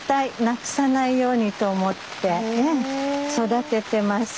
なくさないようにと思って育ててます。